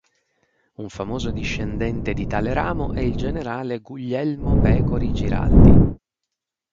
Un famoso discendente di tale ramo è il generale Guglielmo Pecori Giraldi.